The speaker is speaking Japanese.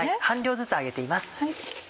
半量ずつ揚げています。